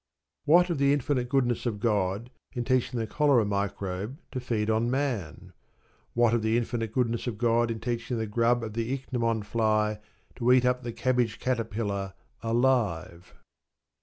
What of the infinite goodness of God in teaching the cholera microbe to feed on man? What of the infinite goodness of God in teaching the grub of the ichneumon fly to eat up the cabbage caterpillar alive?